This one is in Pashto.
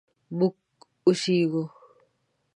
مونږ اوسیږو